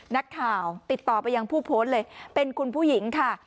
นักข่าวติดต่อไปยังผู้โพสต์เลยเป็นคุณผู้หญิงค่ะ